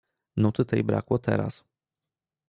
"Nuty tej brakło teraz."